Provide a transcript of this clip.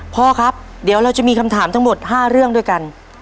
พ่อครับเดี๋ยวเราจะมีคำถามทั้งหมด๕เรื่องด้วยกัน